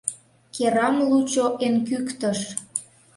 Керам лучо эн кӱктыш.